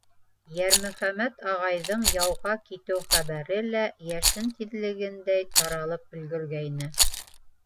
Йәрмөхәмәт ағайҙың яуға китеү хәбәре лә йәшен тиҙлегендәй таралып өлгөргәйне.